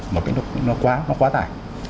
một cái nó quá tải